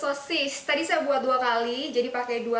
stockwhites tarif saya buat dua kali jadi pakai dua